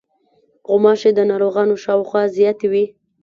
غوماشې د ناروغانو شاوخوا زیاتې وي.